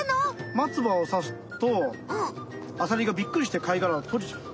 まつばをさすとアサリがびっくりして貝がらをとじちゃう。